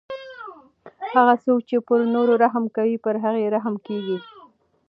هغه څوک چې پر نورو رحم کوي پر هغه رحم کیږي.